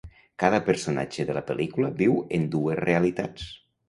Cada personatge de la pel·lícula viu en dues realitats.